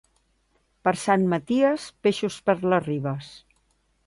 Per Sant Maties, peixos per les ribes.